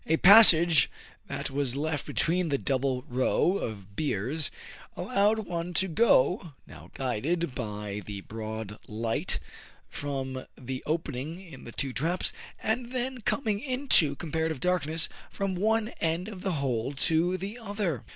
A passage that was left between the double row of biers allowed one to go — now guided by the broad light from the opening in the two traps, and then coming into comparative darkness — from one end of the hold to the other.